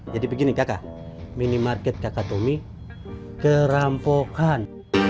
jadi begini kakak mini market kakak tommy kerampokan